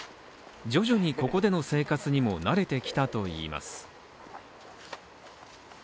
徐々にここでの生活にも慣れてきたといいます。